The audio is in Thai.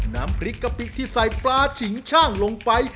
น้ำพริกกะปิที่ใส่ปลาฉิงช่างลงไป